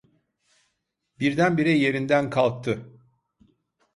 Birdenbire yerinden kalktı.